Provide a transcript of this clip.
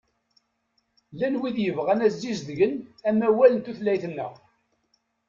Llan wid yebɣan ad sizedgen amawal n tutlayt-nneɣ.